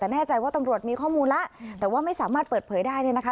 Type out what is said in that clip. แต่แน่ใจว่าตำรวจมีข้อมูลแล้วแต่ว่าไม่สามารถเปิดเผยได้เนี่ยนะคะ